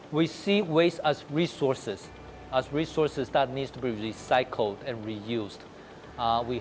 kami berharap kami bisa membuat uang untuk membeli pelaburan ini